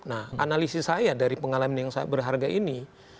nah analisis saya dari pengalaman yang sangat berharga ini